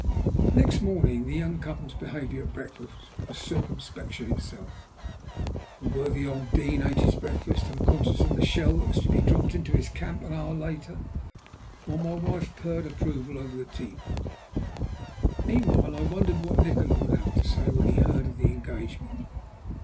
Next morning the young couple's behaviour at breakfast was circumspection itself. The worthy old Dean ate his breakfast unconscious of the shell that was to be dropped into his camp an hour later, while my wife purred approval over the teapot. Meanwhile I wondered what Nikola would have to say when he heard of the engagement.